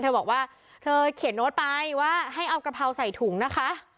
เธอบอกว่าเธอเขียนโน้ตไปว่าให้เอากะเพราใส่ถุงนะคะ